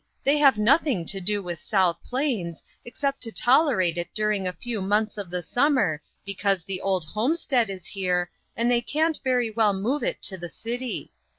They have nothing to do with South Plains, except to tolerate it during a few months of the summer because the old homestead is here, and they can't very well move it to the city.